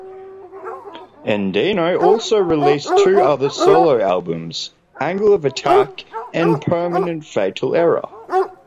Endino also released two other solo albums, "Angle of Attack" and "Permanent Fatal Error".